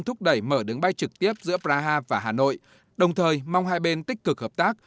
thúc đẩy mở đứng bay trực tiếp giữa praha và hà nội đồng thời mong hai bên tích cực hợp tác